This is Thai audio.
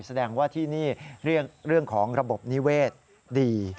แสดงว่าที่นี่เรื่องของระบบนิเวศดี